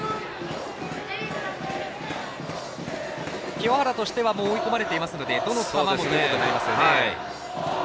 清原としては追い込まれていますのでどの球でもということになりますよね。